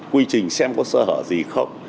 quy trình xem có sơ hở gì không